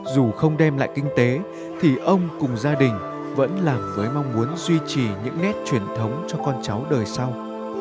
dù không đem lại kinh tế thì ông cùng gia đình vẫn làm với mong muốn duy trì những nét truyền thống cho con cháu đời sau